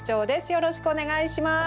よろしくお願いします。